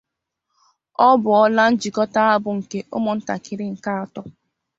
Ọ bụ́ọ́lá njịkọta-ábụ̀ nke ụ́mụ̀ńtàkị́rị́ nke àtọ́.